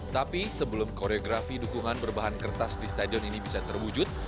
tapi sebelum koreografi dukungan berbahan kertas di stadion ini bisa terwujud